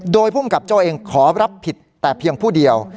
โดยภูมิกับโจ้เองขอรับผิดแต่เพียงผู้เดียว